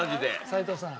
齋藤さん